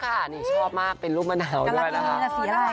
ใช้กันชอบมากเป็นลูกมะหนาวด้วยนะครับ